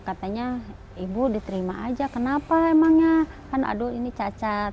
katanya ibu diterima aja kenapa emangnya kan aduh ini cacat